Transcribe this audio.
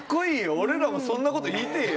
俺らもそんなこと言いてぇよ。